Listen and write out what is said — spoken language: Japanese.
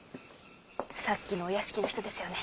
さっきのお屋敷の人ですよね。